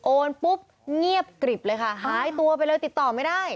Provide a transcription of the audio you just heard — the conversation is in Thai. ปุ๊บเงียบกริบเลยค่ะหายตัวไปเลยติดต่อไม่ได้